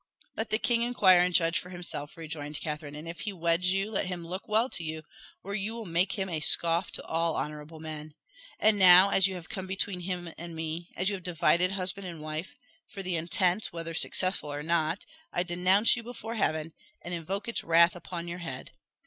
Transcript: "Let the king inquire and judge for himself," rejoined Catherine; "and if he weds you, let him look well to you, or you will make him a scoff to all honourable men. And now, as you have come between him and me as you have divided husband and wife for the intent, whether successful or not, I denounce you before Heaven, and invoke its wrath upon your head.